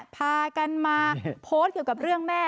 พากันมาโพสต์เกี่ยวกับเรื่องแม่